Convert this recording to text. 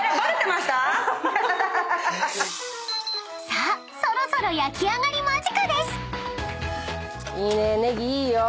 ［さあそろそろ焼き上がり間近です］いいね。